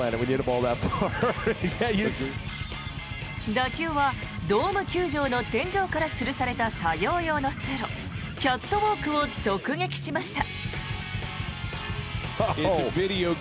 打球はドーム球場の天井からつるされた作業用の通路キャットウォークを直撃しました。